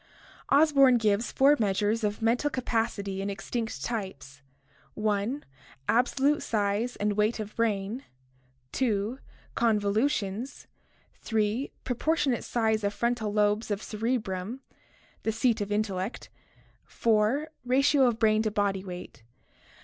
Osborn gives four measures of mental capacity in extinct types: (i) absolute size and weight of brain, (2) convolutions, (3) propor tionate size of frontal lobes of cerebrum, the seat of intellect, (4) ratio of brain to body weight.